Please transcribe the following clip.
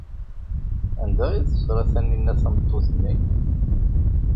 Anda ay teẓra Taninna tameṭṭut-nni?